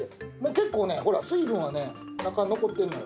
結構ねほら水分は若干残ってるのよ。